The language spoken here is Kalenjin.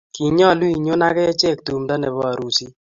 kinyolun inyo ak achek tumdo nebo arusit